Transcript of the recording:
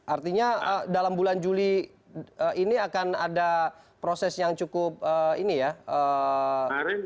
artinya dalam bulan juli ini akan ada proses yang cukup ini ya